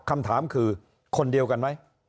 คำถามคือคนเดียวกันไหม